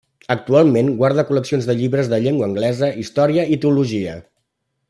Actualment guarda col·leccions de llibres de llengua anglesa, història i teologia.